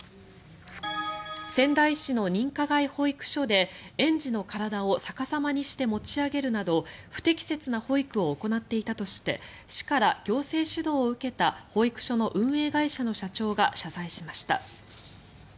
仙台市の認可外保育所で園児の体を逆さまにして持ち上げるなど不適切な保育を行っていたとして市から行政指導を受けた保育所の運営会社の社長が謝罪しました。